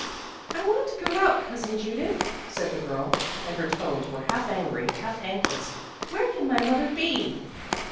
"I want to go out, Cousin Judith," said the girl, and her tones were half angry, half anxious, "Where can my mother be?"